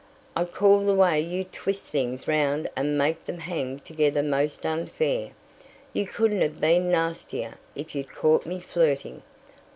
"I call the way you twist things round and make them hang together most unfair. You couldn't have been nastier if you'd caught me flirting.